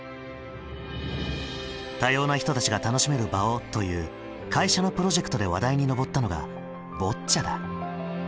「多様な人たちが楽しめる場を」という会社のプロジェクトで話題に上ったのがボッチャだ。